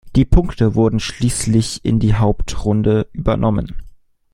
Die Punkte wurden schließlich in die Hauptrunde übernommen.